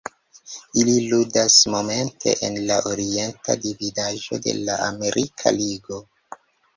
Ili ludas momente en la Orienta Dividaĵo de la Amerika Ligo.